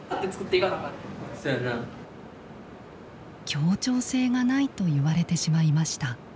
協調性がないと言われてしまいました。